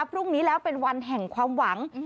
พรุ่งนี้แล้วเป็นวันแห่งความหวัง